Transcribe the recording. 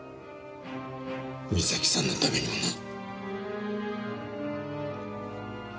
美咲さんのためにもな。